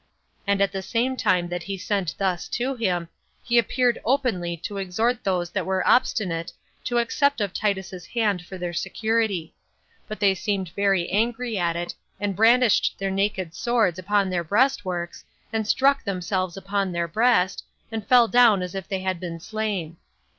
And at the same time that he sent thus to him, he appeared openly to exhort those that were obstinate to accept of Titus's hand for their security; but they seemed very angry at it, and brandished their naked swords upon the breast works, and struck themselves upon their breast, and fell down as if they had been slain.